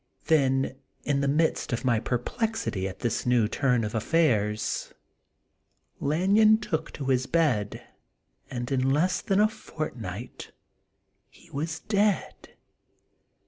Then in the midst of my per plexity at this new turn of affairs, Lan yon took to his bed, and in less than a fortnight he was dead.